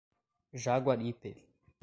Jaguaripe